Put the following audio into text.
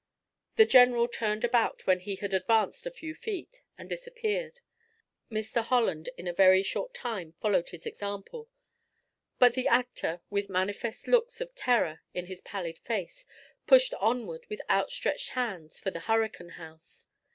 The general turned about when he had advanced a few feet, and disappeared; Mr. Holland in a very short time followed his example; but the actor, with manifest looks of terror in his pallid face, pushed onward with outstretched hands for the hurricane house.